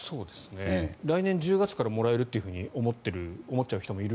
来年１０月からもらえるって思っちゃう人もいる。